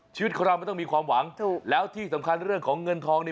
ชีวิตของเรามันต้องมีความหวังถูกแล้วที่สำคัญเรื่องของเงินทองนี่